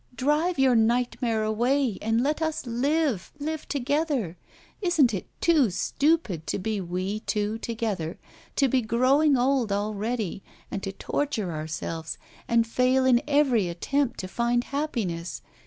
Drive your nightmare away, and let us live, live together. Isn't it too stupid, to be we two together, to be growing old already, and to torture ourselves, and fail in every attempt to find happiness?